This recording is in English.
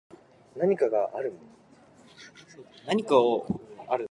Poulter made Cummins assistant editor, co-ordinating various strategy and analysis articles.